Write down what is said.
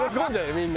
みんな。